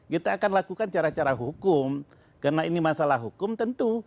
kita akan lakukan cara cara hukum karena ini masalah hukum tentu